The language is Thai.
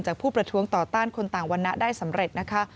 ผู้ประท้วงต่อต้านคนต่างวันนะได้สำเร็จนะคะ